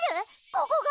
ここが？